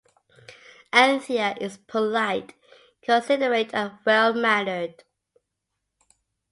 Anthea is polite, considerate, and well mannered.